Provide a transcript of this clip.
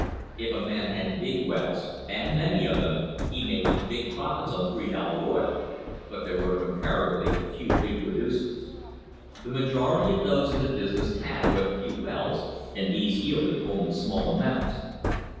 Cm] THE HISTORY OF THE STANDARD OIL COMPANY a man had big wells, and many of them, he made big profits on "three dollar oil," but there were comparatively few "big producers." The majority of those in the business had but few wells, and these yielded only small amounts.